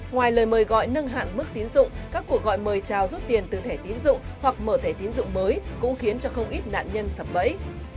ngoài lời mời gọi nâng hạn mức tiến dụng các cuộc gọi mời trào rút tiền từ thẻ tiến dụng hoặc mở thẻ tiến dụng mới cũng khiến cho không ít nạn nhân sập bẫy